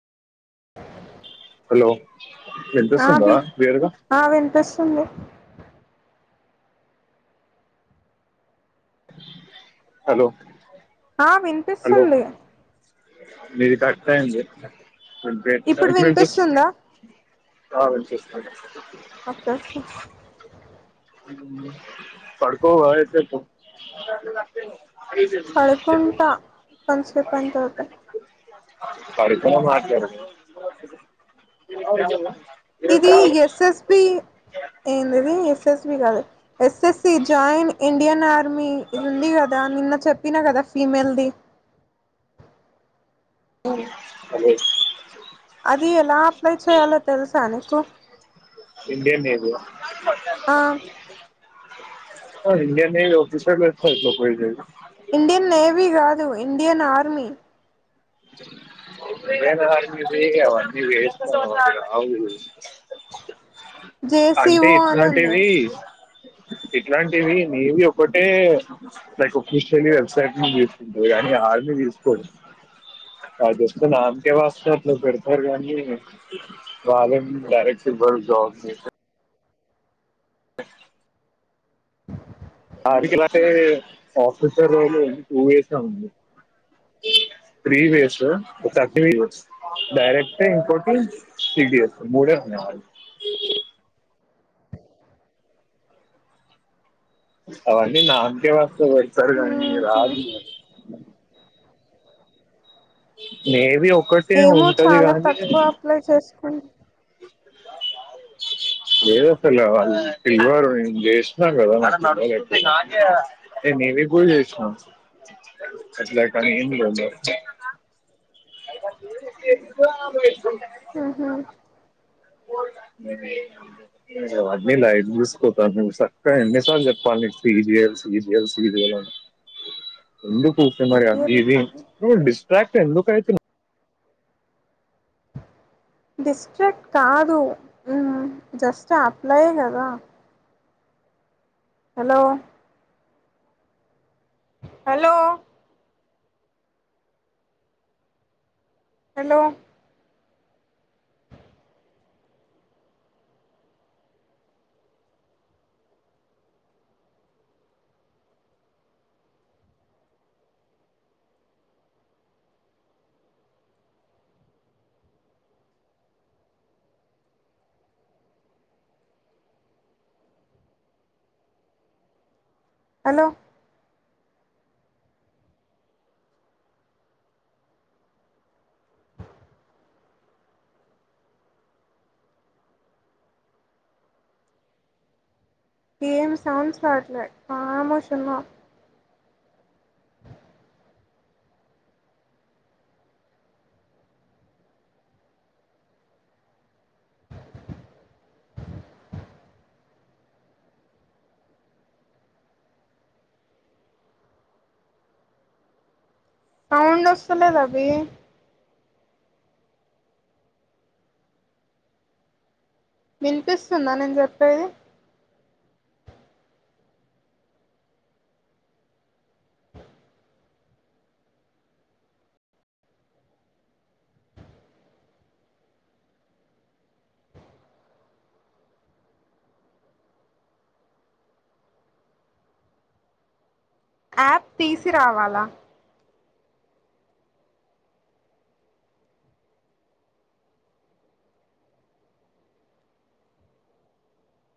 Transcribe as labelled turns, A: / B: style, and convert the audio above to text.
A: Hello
B: ఆ
A: వినిపిస్తుందా
B: వి
A: క్లియర్గా.
B: ఆ వినిపిస్తుంది.
A: హలో
B: ఆ వినిపిస్తుంది.
A: మీది కట్ అయింది, [inaudible] ఇప్పుడు వినిపిస్ అ వినిపిస్తోంది
B: ఓకే ఓకే
A: ఉ పడుకోవా ఏసేపు అఐదుదు
B: పడుకుంటా కొంతసేపు అయిన తర్వాత
A: పడుకోనే మాట్లాడునా
B: ఇది ఎస్ఎస్బి ఏంది ఇది ఎస్ఎస్బి కాదు ఎస్ఎస్సి జాయిన్ ఇండియన్ ఆర్మీ ఇది ఉంది కదా నిన్న చెప్పినా కదా ఫీమేల్ ది
A: అదే
B: అది ఎలా అప్లై చెయ్యాలో తెలుసా నీకు
A: ఇప్పుడు ఏమి నీకు
B: ఆ
A: ఆ Indian navy officer website లోకి పోయి చై
B: ఇండియన్ నేవీ కాదు ఇండియన్ ఆర్మీ
A: ఇండియన్ ఆర్మీ వి అవన్నీ [unintelligible] వేస్టు అవి రావు అంటే
B: జేసిఓ అని ఉంది
A: ఇట్లాంటివి ఇట్లాంటివి నేవీ ఒకటే లైక్ ఓఫీషియల్లి వెబ్సైట్ ను తీసుకుంటది కానీ ఆర్మీ తీసుకోదు ఆ జస్ట్ నామ్ కే వాసు కే అట్ల పెడతారు కానీ వాళ్లేమీ డైరెక్ట్ ఇవ్వరు జాబ్స్ ఏతే ఆ [unintelligible] ఆఫీసర్ రోలు ఏంది టూ ఇయర్స్ ఐ ఉంది త్రీ వేస్ ఓ సర్టిఫికెట్స్ డైరెక్ట్ ఇంకోటి సి డీ యాసి మూడే ఉన్నాయి అవన్నీ నామ్ కే వాస్కే పెడతారు కానీ
B: ఊహు
A: రావు నే వి ఒక్కటే ఉంటది గాని
B: లో చేసుకున్
A: ఏదో పిల్ల వాళ్ళు పిల్లోడు నేను చేసినా కదా [unintelligible] నేను నేవీ కూడా చేసినా ఎట్ల పని ఏమి లేదు ఎ
B: ఉహు
A: ఇంకా అవి అని లైట్ తీసుకో [unintelligible] సక్కగా ఎన్ని సార్లు చెప్పాలా నీకి [unintelligible] సీరియల్ సీరియల్ ఆన్ ఎందుకు ఊకనే మరి అవి
B: సీరియల్
A: ఇవి
B: కానీ
A: నువ్వు డిస్ట్రాక్ట్ ఎందుకు అవుతున్నావ్
B: డిస్ట్రాక్ట్ కాదు ఉ జస్ట్ అప్లై కదా హలో హలో హలో హలో ఏం సౌండ్స్ రావట్లే కామోష్ ఉన్నా సౌండ్ ఒస్తలేదు అభి విన్పిస్తుందా నేను చెప్పేది యాప్ తీసి రావాలా